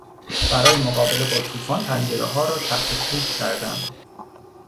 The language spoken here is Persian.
برای مقابله با طوفان پنجرهها را تختهکوب کردند.